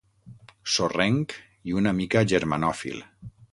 Sorrenc i una mica germanòfil.